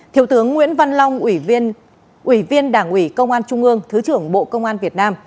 thiếu tướng nguyễn văn long ủy viên đảng ủy công an trung ương thứ trưởng bộ công an việt nam